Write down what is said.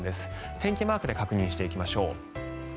天気マークで確認していきましょう。